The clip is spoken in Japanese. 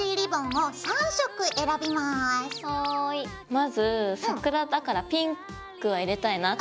まず桜だからピンクは入れたいなって。